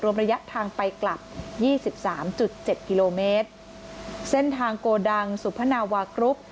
รวมระยะทางไปกลับ๒๓๗กิโลเมตรเส้นทางโกดังสุพนาวากรุฟ